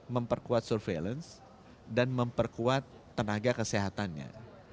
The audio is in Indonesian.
memperkuat surveillance dan memperkuat tenaga kesehatannya